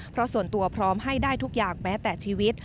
เพราะส่วนตัวพร้อมให้ได้ทุกอย่างแม้แต่ชีวิต